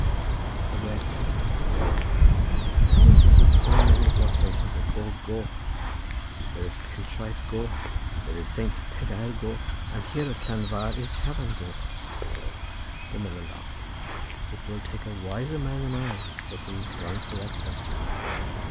"The Red Tavern?" said I. "How is it that so many of your places are called Goch? there is Pentraeth Goch; there is Saint Pedair Goch, and here at Llanfair is Tafarn Goch." The miller laughed. "It will take a wiser man than I," said he, "to answer that question."